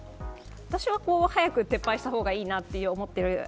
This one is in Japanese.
私は早く撤廃した方がいいなと思っている。